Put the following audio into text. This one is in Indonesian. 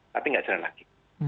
tapi nggak jalan lagi